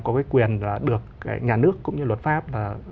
có cái quyền được nhà nước cũng như luật pháp